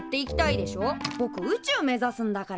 ぼく宇宙目ざすんだから。